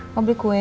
mau beli kue